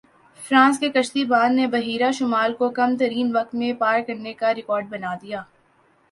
France کے کشتی بان نے بحیرہ شمال کو کم ترین وقت میں پار کرنے کا ریکارڈ بنا دیا